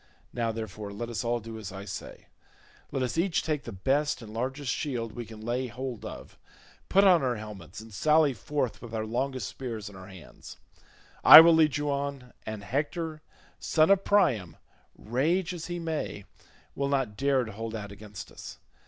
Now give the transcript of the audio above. Now, therefore, let us all do as I say. Let us each take the best and largest shield we can lay hold of, put on our helmets, and sally forth with our longest spears in our hands; I will lead you on, and Hector son of Priam, rage as he may, will not dare to hold out against us.